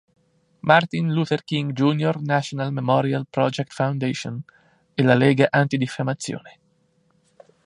Martin Luther King Jr. National Memorial Project Foundation" e la lega Anti-Diffamazione.